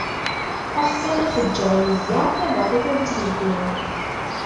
Axṣim ad t-ǧǧeɣ yezza, tabaqit ur tt-yewwi.